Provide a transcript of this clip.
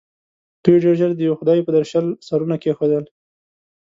دوی ډېر ژر د یوه خدای پر درشل سرونه کېښول.